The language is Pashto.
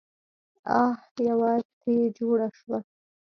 اح يوه تې جوړه شوه.